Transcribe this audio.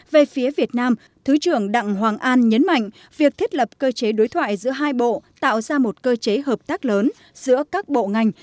về phía việt nam thứ trưởng đặng hoàng an nhấn mạnh việc thiết lập cơ chế đối thoại giữa hai bộ tạo ra một cơ chế hợp tác lớn giữa các bộ ngành